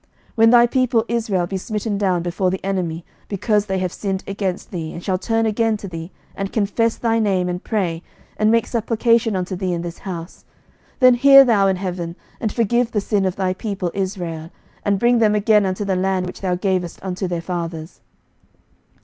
11:008:033 When thy people Israel be smitten down before the enemy, because they have sinned against thee, and shall turn again to thee, and confess thy name, and pray, and make supplication unto thee in this house: 11:008:034 Then hear thou in heaven, and forgive the sin of thy people Israel, and bring them again unto the land which thou gavest unto their fathers.